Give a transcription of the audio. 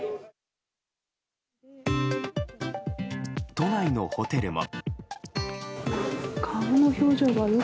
都内のホテルも。